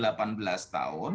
memang harus dipastikan